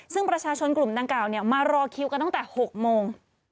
ซึ่งประชาชนกลุ่มดังกล่าวมารอคิวกันตั้งแต่๖โมง